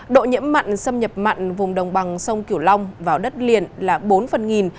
độ nhiễm mặn xâm nhập mặn vùng đồng bằng sông kiểu long vào đất liền là bốn phần nghìn